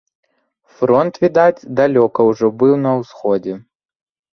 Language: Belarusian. Фронт, відаць, далёка ўжо быў на ўсходзе.